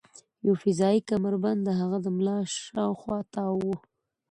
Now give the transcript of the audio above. یو فضايي کمربند د هغه د ملا شاوخوا تاو و